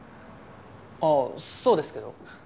ああそうですけど。